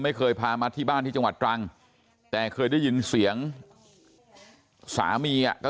ไม่เคยพามาที่บ้านที่จังหวัดตรังแต่เคยได้ยินเสียงสามีอ่ะก็